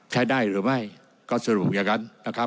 ใช้ได้หรือไม่ก็สรุปอย่างนั้นนะครับ